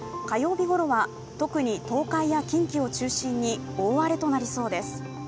日ごろは特に東海や近畿を中心に大荒れとなりそうです。